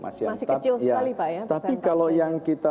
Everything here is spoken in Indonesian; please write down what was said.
masih kecil sekali pak ya tapi kalau yang kita